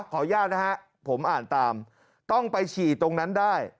ขออนุญาตนะฮะผมอ่านตามต้องไปฉี่ตรงนั้นได้